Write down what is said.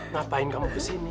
ngapain kamu ke sini